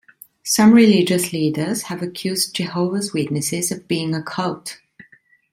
Some religious leaders have accused Jehovah's Witnesses of being a cult.